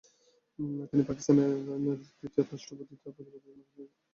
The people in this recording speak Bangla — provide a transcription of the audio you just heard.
তিনি পাকিস্তানের তৃতীয় রাষ্ট্রপতি যার পরিবার ভারত বিভাগের পরে ভারত থেকে পাকিস্তানে চলে এসেছিল।